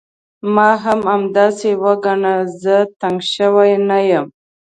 ما هم همداسې وګڼه، زه تنګ شوی نه یم.